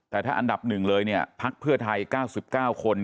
แต่ถ้าอันดับ๑เลยเนี่ยพักเพื่อไทย๙๙คน